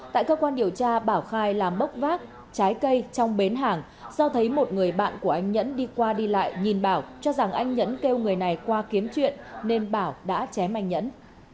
tại cơ quan điều tra bảo khai làm bốc vác trái cây trong bến hàng do thấy một người bạn của anh nhẫn đi qua đi lại nhìn bảo cho rằng anh nhẫn kêu người này qua kiếm chuyện nên bảo đã chém anh nhẫn